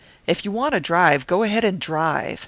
If you want to drive, go ahead and drive.